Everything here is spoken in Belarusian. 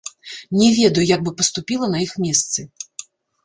Не ведаю, як бы паступіла на іх месцы.